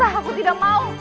aku tidak mau